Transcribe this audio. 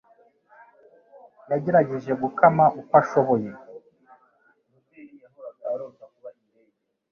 Yagerageje gukama uko ashoboye.